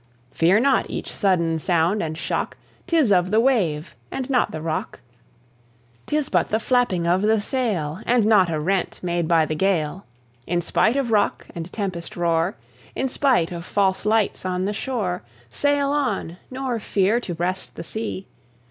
Fear not each sudden sound and shock 'Tis of the wave, and not the rock; 'Tis but the flapping of the sail, And not a rent made by the gale! In spite of rock, and tempest roar, In spite of false lights on the shore, Sail on, nor fear to breast the sea!